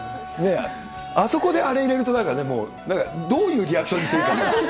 あそこであれ入れると、なんかね、どういうリアクションしていいか。